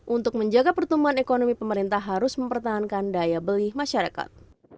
untuk menjaga pertumbuhan ekonomi pemerintah harus mempertahankan daya beli masyarakat